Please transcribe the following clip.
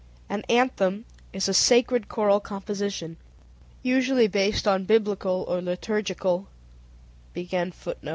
An anthem is a sacred choral composition, usually based on Biblical or liturgical words.